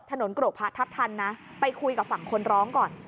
โกรกพระทัพทันนะไปคุยกับฝั่งคนร้องก่อน